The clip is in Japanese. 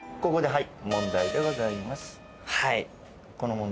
はい。